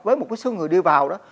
với một số người đi vào đó